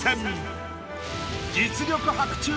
実力伯仲！